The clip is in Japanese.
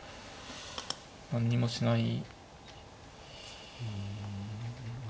何にもしない。